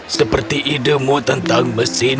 seperti idemu tentang mesin